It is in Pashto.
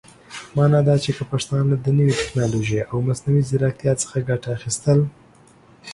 معنا دا چې که پښتانهٔ د نوې ټيکنالوژۍ او مصنوعي ځيرکتيا څخه ګټه اخيستل